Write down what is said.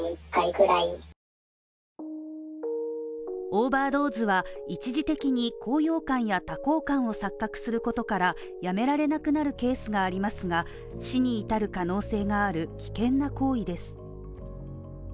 オーバードーズは一時的に高揚感や多幸感を錯覚することからやめられなくなるケースがありますが死に至る可能性がある危険な行為です。